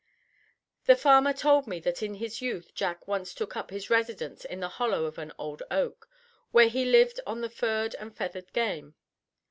The farmer told me that in his youth Jack once took up his residence in the hollow of an old oak, where he lived on the furred and feathered game.